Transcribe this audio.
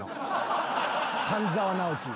『半沢直樹』